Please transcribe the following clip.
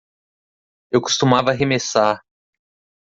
Eu costumava arremessar.